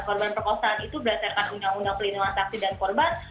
korban perkosaan itu berdasarkan undang undang pelindungan saksi dan korban